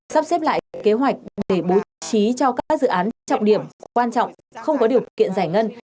sắp xếp lại kế hoạch để bố trí cho các dự án trọng điểm quan trọng không có điều kiện giải ngân